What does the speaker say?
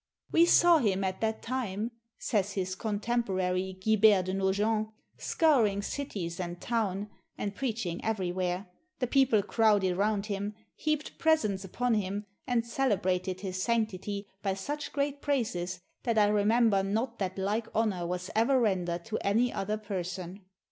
... We saw him at that time," says his contemporary Guibert de Nogent, "scouring city and town, and preaching everywhere; the people crowded round him, heaped presents upon him, and celebrated his sanctity by such great praises that I remember not that like honor was ever rendered to any other person.